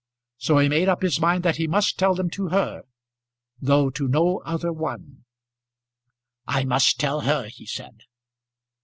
So he made up his mind that he must tell them to her though to no other one. "I must tell her," he said.